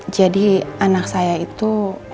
jadi anak saya itu